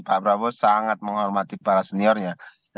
pak prabowo sangat menghormati para seniornya